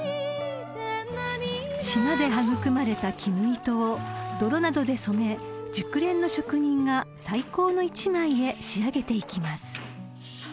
［島で育まれた絹糸を泥などで染め熟練の職人が最高の１枚へ仕上げていきます］